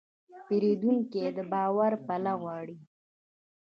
پیرودونکی د باور پله غواړي.